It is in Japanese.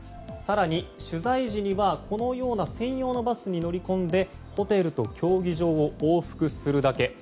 更に、取材時には専用のバスに乗り込んでホテルと競技場を往復するだけ。